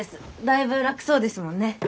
だいぶ楽そうですもんね。